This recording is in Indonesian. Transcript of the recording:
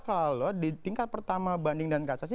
kalau di tingkat pertama banding dan kasasi